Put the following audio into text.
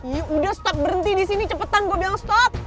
ya udah stop berhenti disini cepetan gua bilang stop